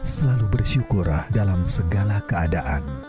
selalu bersyukurah dalam segala keadaan